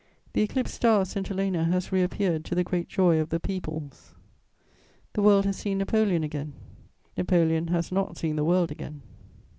The eclipsed star of St. Helena has reappeared to the great joy of the peoples: the world has seen Napoleon again; Napoleon has not seen the world again.